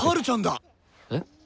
えっ？